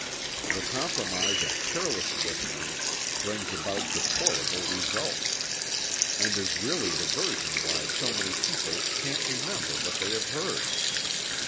The compromise of careless listening brings about deplorable results, and is really the reason why so many people "can't remember" what they have heard.